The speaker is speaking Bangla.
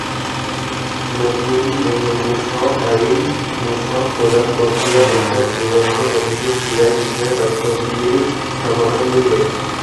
নতুন মূসক আইন, মূসক প্রদান-প্রক্রিয়া, মূসক নিবন্ধন, অভিযোগ—প্রায় বিষয়ে তাৎক্ষণিক সমাধান মিলবে।